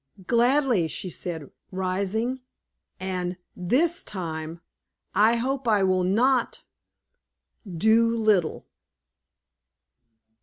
"Gladly," she said, rising, "and this time I hope I will not do little."